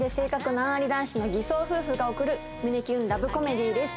難アリ男子の偽装夫婦が送る胸キュンラブコメディーです